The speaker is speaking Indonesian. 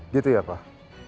gitu ya pak